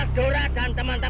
nanti dora yang nanti